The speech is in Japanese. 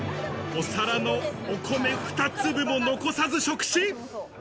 お皿のお米２粒も残さず触診。